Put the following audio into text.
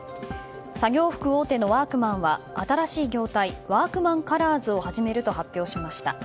作業服大手のワークマンは新しい業態ＷＯＲＫＭＡＮＣｏｌｏｒｓを始めると発表しました。